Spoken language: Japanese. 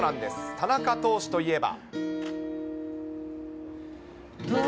田中投手といえば。